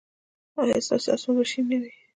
ایا ستاسو اسمان به شین نه وي؟